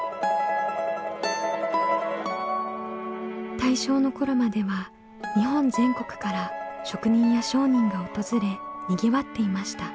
大正の頃までは日本全国から職人や商人が訪れにぎわっていました。